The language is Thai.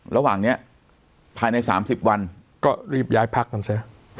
ระหว่างนี้ภายใน๓๐วันก็รีบย้ายพักกันซะ